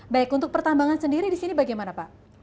baik untuk pertambangan sendiri di sini bagaimana pak